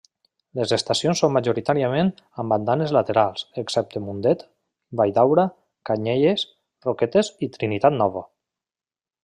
Les estacions són majoritàriament amb andanes laterals, excepte Mundet, Valldaura, Canyelles, Roquetes i Trinitat Nova.